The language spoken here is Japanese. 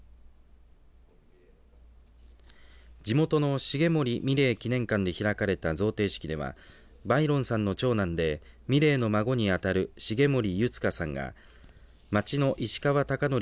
地元の重森三玲記念館で開かれた贈呈式では貝崙さんの長男で三玲の孫にあたる重森弓束さんが町の石川孝典